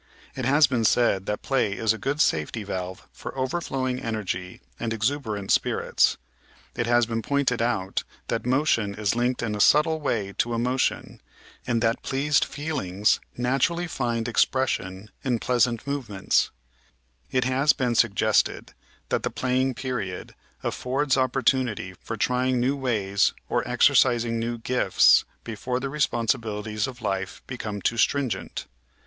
It has been said that play is a good safety valve for overflowing energy and exuberant spirits ; it has been pointed out that motion is linked in a subtle way to emotion, and that pleased feelings naturally find expression in pleasant movements; it has been suggested that the playing period affords opportunity for trying new ways or exercising new gifts before the responsibilities of life become too stringent.